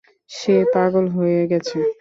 সে পাগল হয়ে গেছে!